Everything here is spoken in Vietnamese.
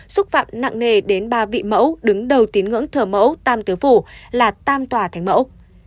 xúc phạm nặng nề đến ba vị mẫu đứng đầu tín ngưỡng thờ mẫu tam tứ phủ là tam tòa thánh mẫu